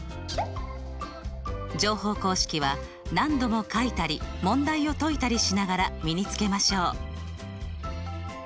乗法公式は何度も書いたり問題を解いたりしながら身につけましょう。